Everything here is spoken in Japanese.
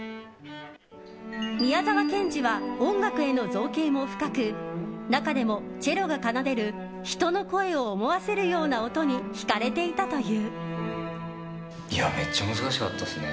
宮沢賢治は音楽への造詣も深く中でもチェロが奏でる人の声を思わせるような音に引かれていたという。